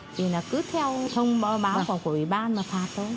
thì là cứ theo thông báo của ủy ban mà phạt thôi